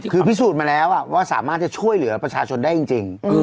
คือพิสูจน์มาแล้วว่าสามารถจะช่วยเหลือประชาชนได้จริง